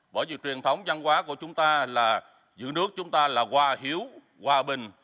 bởi vì truyền thống văn hóa của chúng ta là giữ nước chúng ta là hòa hiếu hòa bình